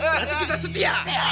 berarti kita setia